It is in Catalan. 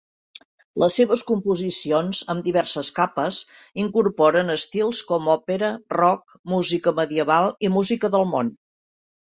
Les seves composicions, amb diverses capes, incorporen estils com òpera, rock, música medieval i música del món.